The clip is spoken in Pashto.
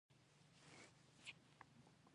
په افغانستان کې د پکتیکا ډیرې ګټورې او مهمې منابع شته.